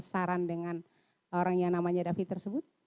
saran dengan orang yang namanya david tersebut